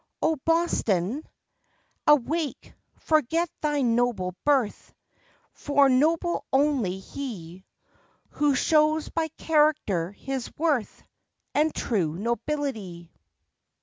0 Boston! Awake, forget thy noble birth, For noble only he Who shows by character his worth And true nobility.